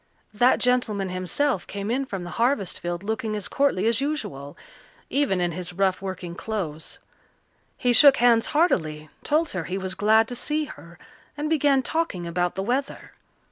That gentleman himself came in from the harvest field looking as courtly as usual, even in his rough working clothes. He shook hands heartily, told her he was glad to see her, and began talking about the weather.